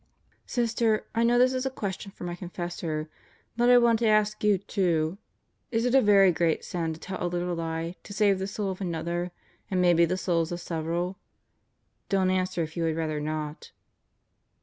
Sister, I know this is a question for my confessor, but I want to ask you, too. Is it a very great sin to tell a little lie to save the soul of another and maybe the souls of several? Don't answer if you had rather not.